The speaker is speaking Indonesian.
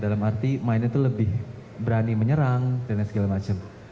dalam arti mainnya itu lebih berani menyerang dan segala macam